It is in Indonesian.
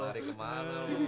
mulai kemana lo